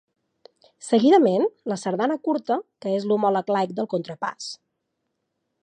Seguidament, la Sardana Curta, que és l'homòleg laic del contrapàs.